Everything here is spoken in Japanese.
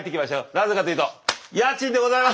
なぜかというと家賃でございます！